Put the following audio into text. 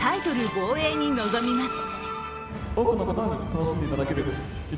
防衛に臨みます。